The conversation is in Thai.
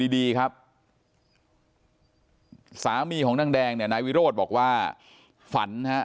ดีครับสามีของนางแดงเนี่ยนายวิโรธบอกว่าฝันฮะ